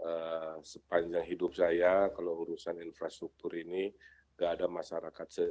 eh sepanjang hidup saya kalau urusan infrastruktur ini gak ada masyarakat